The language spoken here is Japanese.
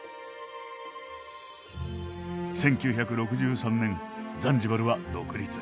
１９６３年ザンジバルは独立。